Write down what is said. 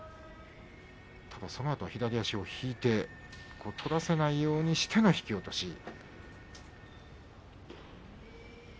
そのあとは左足を引いて取らせないようにしての引き落とし。